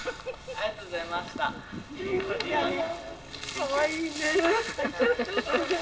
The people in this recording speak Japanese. かわいいね。